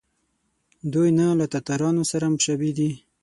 دوی نه له تاتارانو سره مشابه دي.